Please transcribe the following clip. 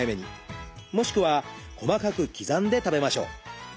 もしくは細かく刻んで食べましょう。